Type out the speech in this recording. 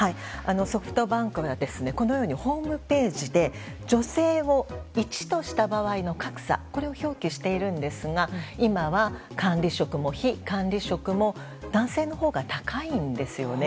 ソフトバンクはこのようにホームページで女性を１とした場合の格差を表記しているんですが今は管理職も、非管理職も男性のほうが高いんです。